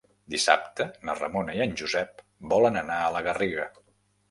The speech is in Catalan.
Dissabte na Ramona i en Josep volen anar a la Garriga.